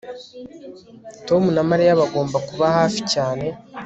Tom na Mariya bagomba kuba hafi cyane